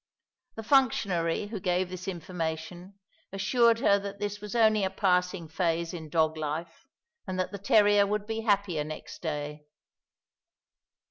The functionary who gave this information assured her that this was only a passing phase in dog life, and that the terrier would be happier next day.